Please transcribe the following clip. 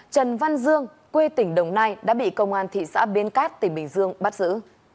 trần văn dương quê tỉnh đồng nai đã bị công an thị xã biên cát tỉnh bình dương bắt giữ